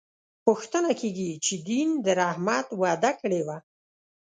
پوښتنه کېږي چې دین د رحمت وعده کړې وه.